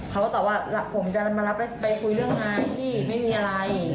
เขาก็ตอบว่าผมจะมารับไปคุยเรื่องงานพี่ไม่มีอะไร